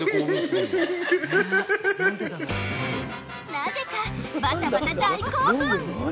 なぜかバタバタ大興奮。